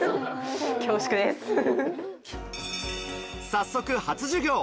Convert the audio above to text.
早速、初授業。